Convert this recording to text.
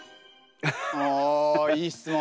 おいい質問。